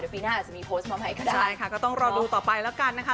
ปีหน้าอาจจะมีโพสต์มาใหม่ก็ได้ใช่ค่ะก็ต้องรอดูต่อไปแล้วกันนะคะ